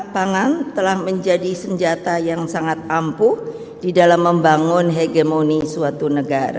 pangan telah menjadi senjata yang sangat ampuh di dalam membangun hegemoni suatu negara